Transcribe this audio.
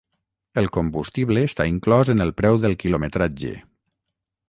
El combustible està inclòs en el preu del quilometratge.